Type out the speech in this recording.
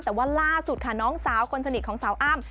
แต่ว่าล่าสุดค่ะน้องสาวคนสนิทของสาวอ้ำ